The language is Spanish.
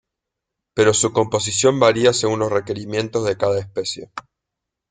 Pero su composición varía según los requerimientos de cada especie.